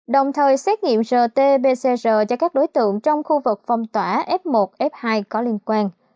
đồng thời xét nghiệm rt pcr cho các đối tượng trong khu vực phong tỏa f một f hai có liên quan